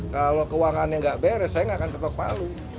kalau keuangannya nggak beres saya nggak akan ketok palu